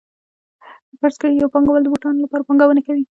فرض کړئ یو پانګوال د بوټانو لپاره پانګونه کوي